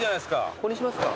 ここにしますか？